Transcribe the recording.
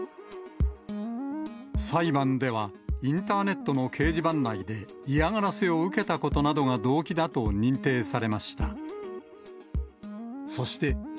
裁判では、インターネットの掲示板内で、嫌がらせを受けたことなどが動機だと認定されました。